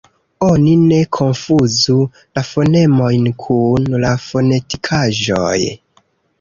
Oni ne konfuzu la fonemojn kun la fonetikaĵoj.